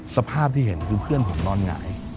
สภาพที่เห็นคือเพื่อนผมนอนหงาย